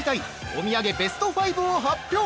お土産ベスト５を発表！